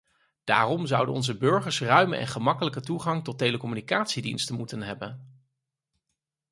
Daarom zouden onze burgers ruime en gemakkelijke toegang tot telecommunicatiediensten moeten hebben.